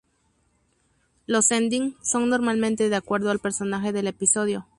Los endings son normalmente de acuerdo al personaje del episodio.